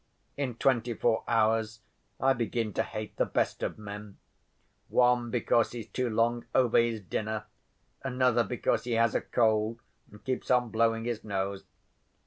In twenty‐four hours I begin to hate the best of men: one because he's too long over his dinner; another because he has a cold and keeps on blowing his nose.